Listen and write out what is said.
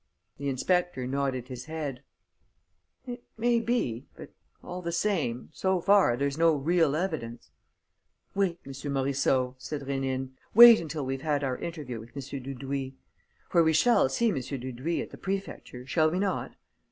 The inspector nodded his head: "It may be.... But, all the same ... so far there's no real evidence." "Wait, M. Morisseau," said Rénine. "Wait until we've had our interview with M. Dudouis. For we shall see M. Dudouis at the prefecture, shall we not?"